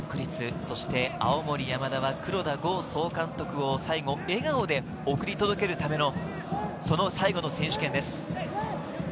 そして青森山田は黒田剛総監督を最後笑顔で送り届けるための、その最後の選手権です。